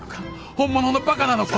本物のバカなのか？